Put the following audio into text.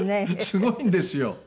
すごいんですよ。